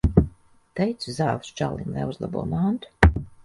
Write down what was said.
Teicu zāles čalim, lai uzlabo mantu.